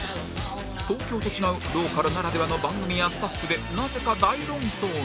東京と違うローカルならではの番組やスタッフでなぜか大論争に